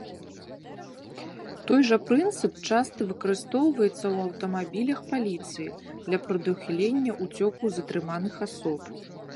Той жа прынцып часта выкарыстоўваецца ў аўтамабілях паліцыі для прадухілення ўцёкаў затрыманых асоб.